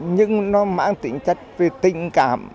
nhưng nó mang tính chất về tình cảm